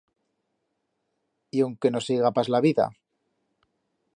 Y onque no seiga pas la vida.